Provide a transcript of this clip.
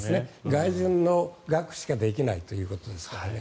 外貨の額しかできないということですからね。